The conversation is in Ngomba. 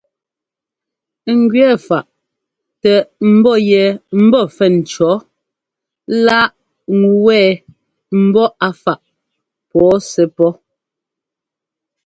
Ŋ gẅɛɛ faꞌ tɛ ḿbɔ́ yɛ ḿbɔ́ fɛn cɔ̌ lá ŋu wɛ ḿbɔ́ a faꞌ pɔɔ sɛ́ pɔ́.